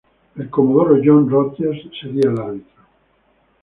El comodoro John Rodgers sería el árbitro.